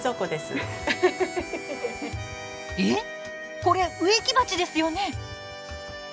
えっこれ植木鉢ですよね？